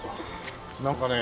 なんかね